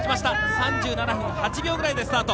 ３７分８秒ぐらいでスタート。